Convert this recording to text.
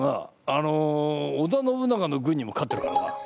あの織田信長の軍にも勝ってるからな。